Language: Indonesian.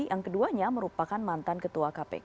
yang keduanya merupakan mantan ketua kpk